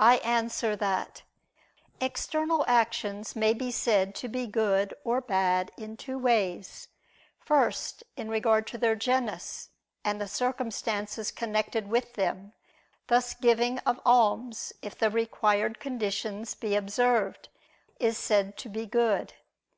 I answer that, External actions may be said to be good or bad in two ways. First, in regard to their genus, and the circumstances connected with them: thus the giving of alms, if the required conditions be observed, is said to be good.